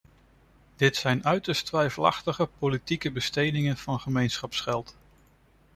Dit zijn uiterst twijfelachtige politieke bestedingen van gemeenschapsgeld.